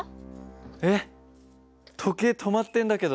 えっ時計止まってんだけど。